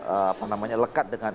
apa namanya lekat dengan